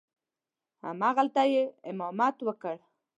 همغلته یې امامت وکړ.